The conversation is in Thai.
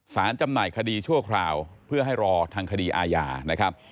จำหน่ายคดีชั่วคราวเพื่อให้รอทางคดีอาญานะครับ